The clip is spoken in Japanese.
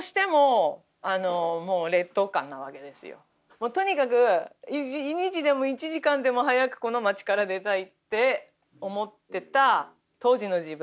もうとにかく一日でも一時間でも早くこの町から出たいって思ってた当時の自分の気持ちですよ。